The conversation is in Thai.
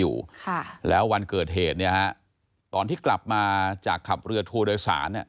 อยู่ค่ะแล้ววันเกิดเหตุเนี่ยฮะตอนที่กลับมาจากขับเรือทัวร์โดยสารเนี่ย